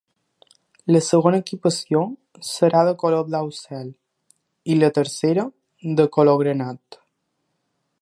La segona equipació serà de color blau cel i la tercera de color granat.